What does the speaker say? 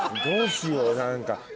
どうしよう何か。